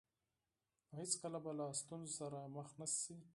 نو هېڅکله به له ستونزو سره مخ نه شئ.